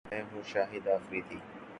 میں ہوں شاہد افریدی